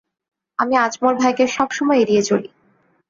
আমি আজমল ভাইকে সব সময় এড়িয়ে চলি।